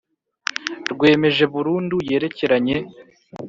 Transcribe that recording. Rwemeje burundu yerekeranye .